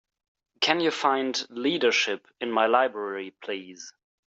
can you find Leadership in my library, please?